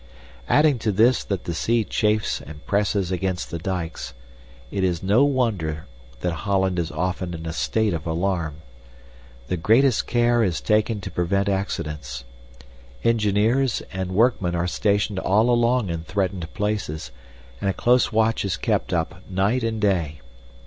Adding to this that the sea chafes and presses against the dikes, it is no wonder that Holland is often in a state of alarm. The greatest care is taken to prevent accidents. Engineers and workmen are stationed all along in threatened places, and a close watch is kept up night and day.